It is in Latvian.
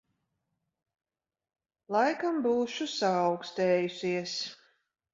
Laikam būšu saaukstējusies.